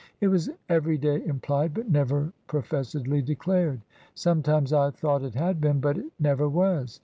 "' It was every day implied, but never professed ly declared. Sometimes I thought it had been — but it never was.'